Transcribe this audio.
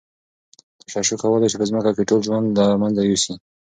تشعشع کولای شي په ځمکه کې ټول ژوند له منځه یوسي.